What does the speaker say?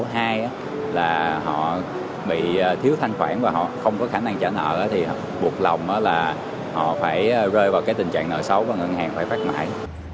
thứ hai là họ bị thiếu thanh khoản và họ không có khả năng trả nợ thì buộc lòng là họ phải rơi vào cái tình trạng nợ xấu và ngân hàng phải phát mãi